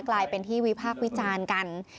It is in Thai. กลายเป็นที่วิพากษ์วิจารณ์กัน